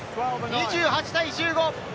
２８対１５。